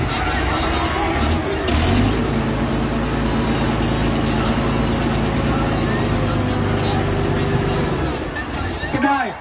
มาแล้วครับพี่น้อง